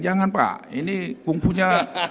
jangan pak ini kumpunya